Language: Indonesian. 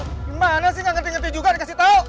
gimana sih nggak ngerti ngerti juga dikasih tahu